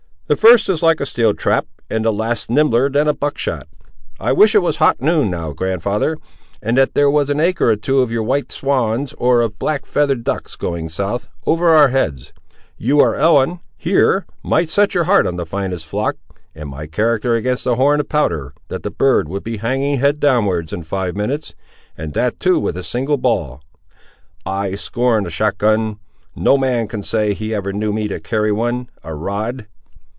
"The first is like a steel trap, and the last nimbler than a buck shot. I wish it was hot noon, now, grand'ther; and that there was an acre or two of your white swans or of black feathered ducks going south, over our heads; you or Ellen, here, might set your heart on the finest in the flock, and my character against a horn of powder, that the bird would be hanging head downwards, in five minutes, and that too, with a single ball. I scorn a shot gun! No man can say, he ever knew me carry one, a rod."